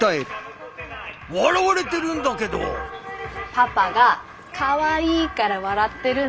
パパがかわいいから笑ってるんだよ！